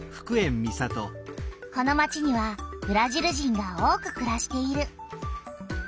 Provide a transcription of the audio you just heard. この町にはブラジル人が多くくらしている。